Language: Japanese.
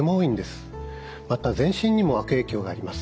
また全身にも悪影響があります。